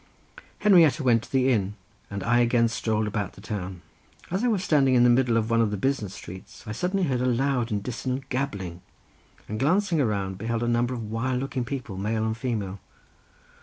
Henrietta went to the inn, and I again strolled about the town. As I was standing in the middle of one of the busiest streets I suddenly heard a loud and dissonant gabbling, and glancing around beheld a number of wild looking people, male and female.